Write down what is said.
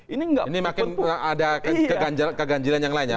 ini makin ada keganjilan yang lainnya